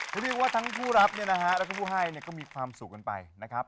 ผมเรียกว่าทั้งผู้รับและผู้ให้ก็มีความสุขกันไปนะครับ